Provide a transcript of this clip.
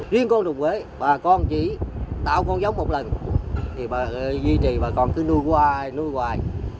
riêng con run quế bà con chỉ tạo con giống một lần thì duy trì bà con cứ nuôi hoài nuôi hoài